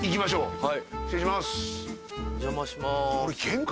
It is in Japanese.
はい。